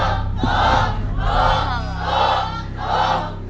ถูกครับ